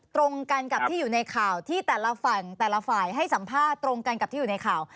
ตรงกันกับที่อยู่ในข่าวที่แต่ละฝั่งแต่ละฝ่ายให้สัมภาษณ์ตรงกันกับที่อยู่ในข่าว